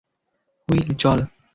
Will, চল।